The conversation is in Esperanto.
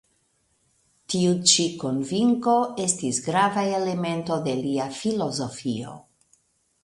Tiu ĉi konvinko estis grava elemento de lia filozofio.